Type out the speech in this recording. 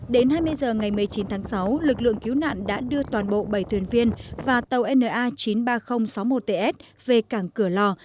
đến hai mươi h ngày một mươi chín tháng sáu lực lượng cứu nạn đã đưa toàn bộ bảy thuyền viên và tàu na chín mươi ba nghìn sáu mươi một ts về cảng cửa lò